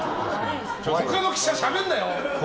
他の記者、しゃべるなよ！